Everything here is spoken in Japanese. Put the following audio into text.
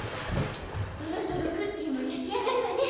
そろそろクッキーもやきあがるわね。